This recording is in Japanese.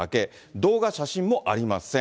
動画、写真もありません。